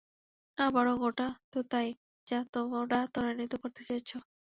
না, বরং ওটা তো তাই যা তোমরা ত্বরান্বিত করতে চেয়েছ।